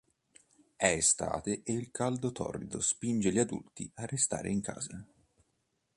È estate e il caldo torrido spinge gli adulti a restare in casa.